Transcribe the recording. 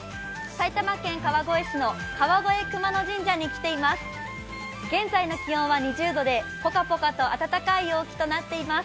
埼玉県川越市の川越熊野神社に来ています。